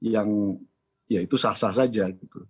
yang ya itu sah sah saja